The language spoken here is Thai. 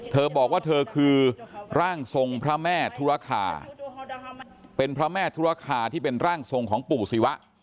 บอกว่าเธอคือร่างทรงพระแม่ธุรคาเป็นพระแม่ธุรคาที่เป็นร่างทรงของปู่ศิวะ